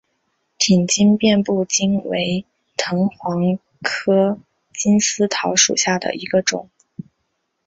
挺茎遍地金为藤黄科金丝桃属下的一个种。